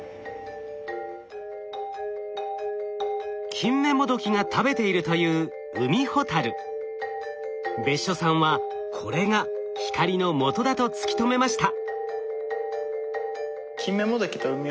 キンメモドキが食べているという別所さんはこれが光のもとだと突き止めました。